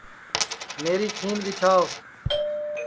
میری کھیند ٻیچھاو